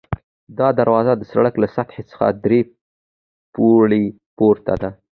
دا دروازه د سړک له سطحې څخه درې پوړۍ پورته ده.